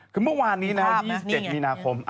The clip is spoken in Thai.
คือเมื่อวาน๒๗มีนาคม